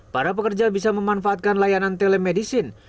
para pekerja bisa memanfaatkan layanan telemedicine